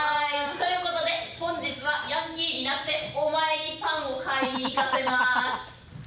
という事で本日はヤンキーになってお前にパンを買いに行かせまーす。